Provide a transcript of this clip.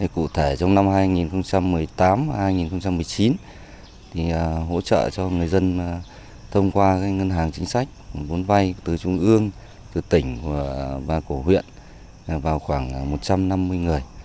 cụ thể trong năm hai nghìn một mươi tám hai nghìn một mươi chín hỗ trợ cho người dân thông qua ngân hàng chính sách vốn vay từ trung ương từ tỉnh và cổ huyện vào khoảng một trăm năm mươi người